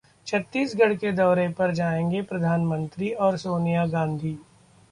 छत्तीसगढ़ के दौरे पर जाएंगे प्रधानमंत्री और सोनिया गांधी